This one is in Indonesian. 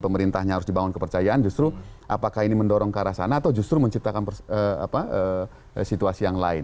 pemerintahnya harus dibangun kepercayaan justru apakah ini mendorong ke arah sana atau justru menciptakan situasi yang lain